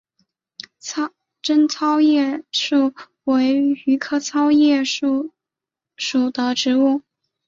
滇糙叶树为榆科糙叶树属的植物。